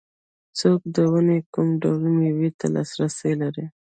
څوک د ونې کوم ډول مېوې ته لاسرسی لري